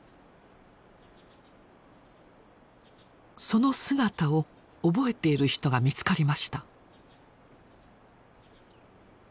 その姿を覚えている人が見つかりました。